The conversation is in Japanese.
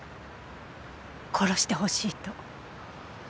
殺してほしいと。